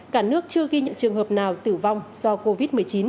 cả nước chưa ghi nhận trường hợp nào tử vong do covid một mươi chín